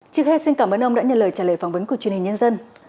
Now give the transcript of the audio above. trước hết xin cảm ơn ông đã nhận lời trả lời phỏng vấn của truyền hình nhân dân